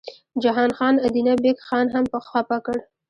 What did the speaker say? جهان خان ادینه بېګ خان هم خپه کړ.